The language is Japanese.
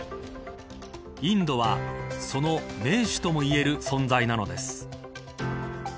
インドは、その盟主ともいえる存在なのです。